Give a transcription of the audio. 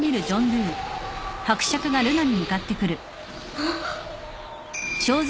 あっ。